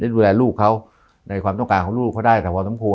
ดูแลลูกเขาในความต้องการของลูกเขาได้แต่พอสมควร